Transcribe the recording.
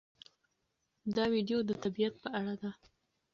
دا ویډیو د طبیعت په اړه ده.